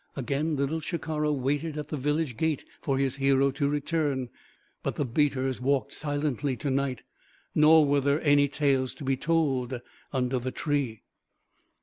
Again Little Shikara waited at the village gate for his hero to return; but the beaters walked silently to night. Nor were there any tales to be told under the tree.